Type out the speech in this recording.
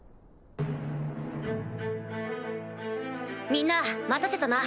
みんな待たせたな。